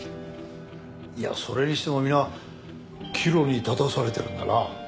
いやそれにしても皆岐路に立たされてるんだな。